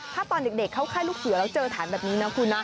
ถ้าตอนเด็กเข้าค่ายลูกเสือแล้วเจอฐานแบบนี้นะคุณนะ